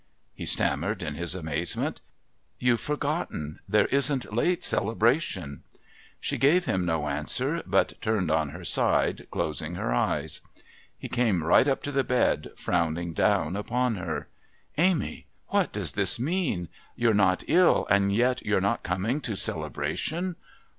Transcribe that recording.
he stammered in his amazement. "You've forgotten. There isn't late Celebration." She gave him no answer, but turned on her side, closing her eyes. He came right up to the bed, frowning down upon her. "Amy what does this mean? You're not ill, and yet you're not coming to Celebration?